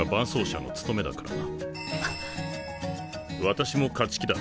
私も勝ち気だ。